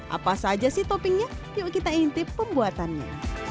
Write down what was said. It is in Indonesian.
apa saja sih toppingnya yuk kita intip pembuatannya